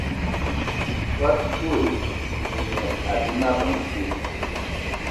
Soad dzoe e enə abim abəŋ te.